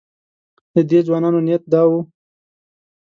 د دې ځوانانو نیت دا و.